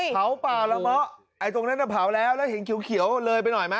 เผาป่าละเมาะไอ้ตรงนั้นน่ะเผาแล้วแล้วเห็นเขียวเลยไปหน่อยไหม